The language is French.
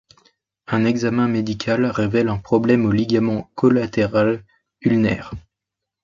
Un examen médical révèle un problème au ligament collatéral ulnaire.